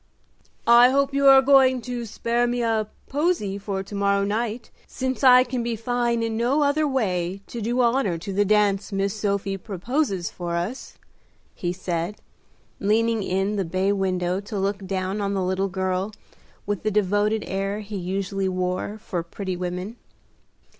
"I hope you are going to spare me a posy for to morrow night, since I can be fine in no other way to do honor to the dance Miss Sophie proposes for us," he said, leaning in the bay window to look down on the little girl, with the devoted air he usually wore for pretty women.